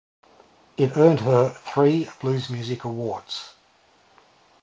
It earned her three Blues Music Awards.